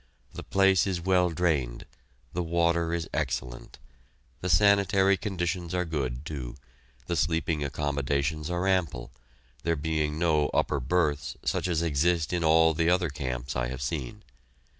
The place is well drained; the water is excellent; the sanitary conditions are good, too; the sleeping accommodations are ample, there being no upper berths such as exist in all the other camps I have seen.